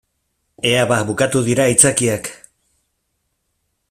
Ea bada, bukatu dira aitzakiak.